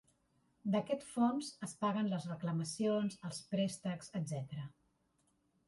D'aquest fons es paguen les reclamacions, els préstecs, etc.